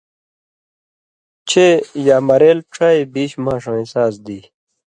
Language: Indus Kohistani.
چے یا مرېل ڇا یی بیش ماݜہ وَیں ساز دی